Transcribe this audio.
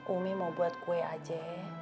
umi mau buat kue aceh